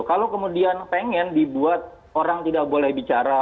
kalau kemudian pengen dibuat orang tidak boleh bicara